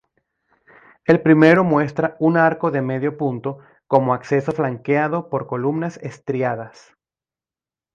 El primero muestra un arco de medio punto como acceso flanqueado por columnas estriadas.